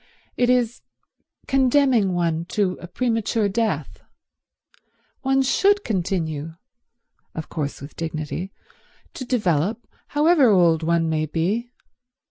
It is condemning one to a premature death. One should continue (of course with dignity) to develop, however old one may be.